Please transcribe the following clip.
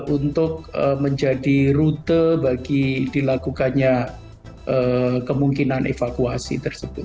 untuk menjadi rute bagi dilakukannya kemungkinan evakuasi tersebut